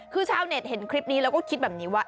คือชาวเน็ตเห็นคลิปนี้แล้วก็คิดแบบนี้ว่า